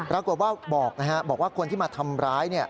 รับกลุ่มว่าบอกนะฮะบอกว่าคนที่มาทำร้ายนี่